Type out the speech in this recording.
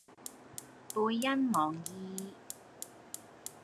背恩忘義